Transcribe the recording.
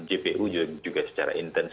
jpu juga secara intens